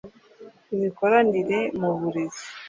imikoranire mu burezi